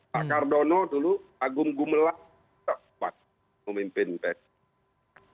pak cardono dulu agung gumelan tepat pemimpin pssi